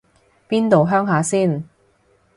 邊度鄉下先